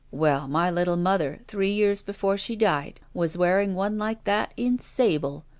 Well, my little mother, three years before she died, was wearing one like that in sable.